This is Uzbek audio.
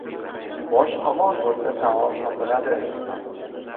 • Bosh omon bo‘lsa taom topiladi.